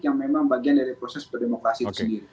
yang memang bagian dari proses berdemokrasi itu sendiri